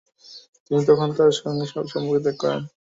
তিনি তখনই তার সঙ্গে সব সম্পর্ক ত্যাগ করেন।